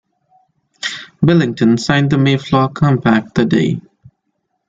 Billington signed the Mayflower Compact that day.